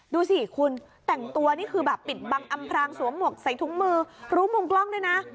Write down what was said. ดูสิคุณแต่งตัวนี่คือแบบปิดบังอำพรางสวมหวกใส่ถุงมือรู้มุมกล้องด้วยนะ